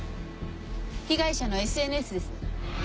被害者のＳＮＳです。